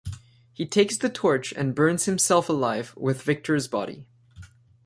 He takes the torch and burns himself alive with Victor's body.